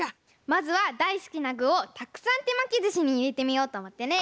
まずはだいすきなぐをたくさんてまきずしにいれてみようとおもってね！